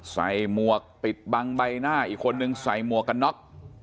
หมวกปิดบังใบหน้าอีกคนนึงใส่หมวกกันน็อก